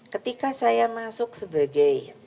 ketika saya masuk sebagai